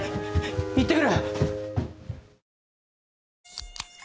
行ってくる。